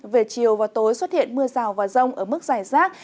về chiều và tối xuất hiện mưa rào vào rông ở mức rải rác